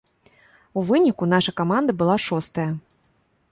У выніку, наша каманда была шостая.